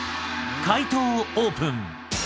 解答をオープン。